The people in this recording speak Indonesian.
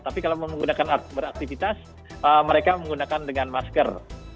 tapi kalau menggunakan beraktivitas mereka menggunakan dengan masker